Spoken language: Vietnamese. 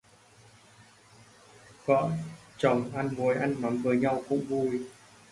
Vợ chồng ăn muối ăn mắm với nhau cũng vui